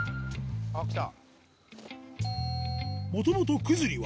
あっ来た！